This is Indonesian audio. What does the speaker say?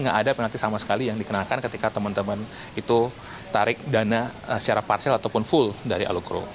nggak ada penalti sama sekali yang dikenakan ketika teman teman itu tarik dana secara parsial ataupun full dari alogro